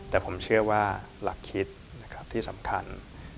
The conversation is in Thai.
แต่ผมเชื่อว่าหลักคิดที่สำคัญ